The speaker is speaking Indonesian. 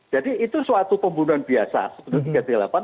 jadi itu suatu pembunuhan biasa seperti yang kita lakukan